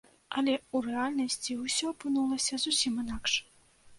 Але ў рэальнасці ўсё апынулася зусім інакш.